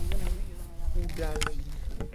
Kudavi.